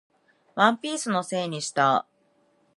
ワンピースのせいにした